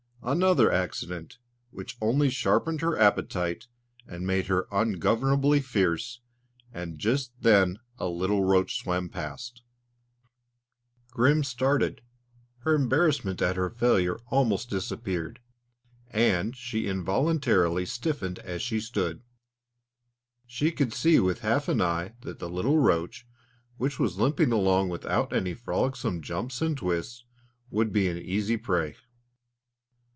Another accident which only sharpened her appetite and made her ungovernably fierce; and just then a little roach swam past. Grim started. Her embarrassment at her failure almost disappeared, and she involuntarily stiffened as she stood. She could see with half an eye that the little roach, which was limping along without any frolicsome jumps and twists, would be an easy prey.